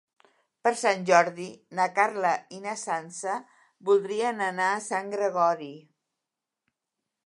Per Sant Jordi na Carla i na Sança voldrien anar a Sant Gregori.